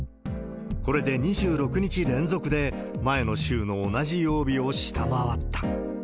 これで２６日連続で、前の週の同じ曜日を下回った。